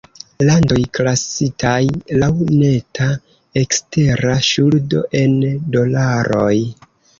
Landoj klasitaj "laŭ neta ekstera ŝuldo"', en dolaroj.